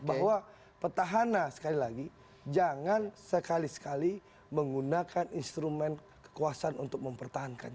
bahwa petahana sekali lagi jangan sekali sekali menggunakan instrumen kekuasaan untuk mempertahankan